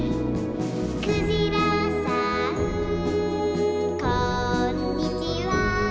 「くじらさんこんにちは！」